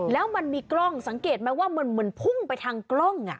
แล้วมันมีกล้องสังเกตไหมว่ามันเหมือนพุ่งไปทางกล้อง